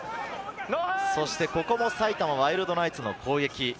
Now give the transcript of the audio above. ここも埼玉ワイルドナイツの攻撃。